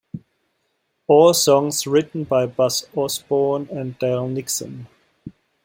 All songs written by Buzz Osborne and Dale Nixon.